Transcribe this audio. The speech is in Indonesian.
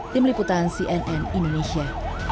tim liputan cnn indonesia